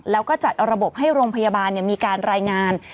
แล้วก็จัดระบบให้โรงพยาบาลมีการรายงาน